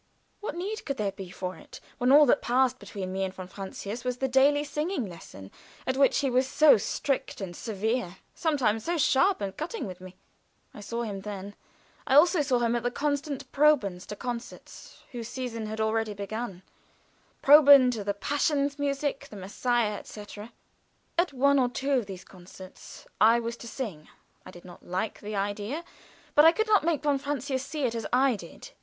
What need could there be for it when all that passed between me and von Francius was the daily singing lesson at which he was so strict and severe, sometimes so sharp and cutting with me. I saw him then; I saw him also at the constant proben to concerts whose season had already begun; proben to the "Passions musik," the "Messiah," etc. At one or two of these concerts I was to sing. I did not like the idea, but I could not make von Francius see it as I did.